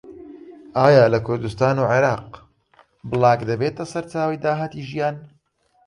ئایا لە کوردستان و عێراق بڵاگ دەبێتە سەرچاوەی داهاتی ژیان؟